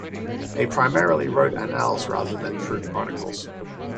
They primarily wrote annals rather than true chronicles.